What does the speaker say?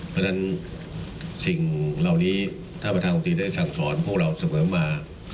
เพราะฉะนั้นสิ่งเหล่านี้ท่านประธานคงตรีได้สั่งสอนพวกเราเสมอมา